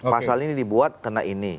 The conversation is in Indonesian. pasal ini dibuat karena ini